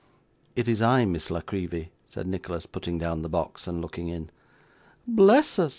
'It is I, Miss La Creevy,' said Nicholas, putting down the box and looking in. 'Bless us!